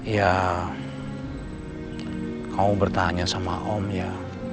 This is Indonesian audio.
ya kau bertanya sama om ya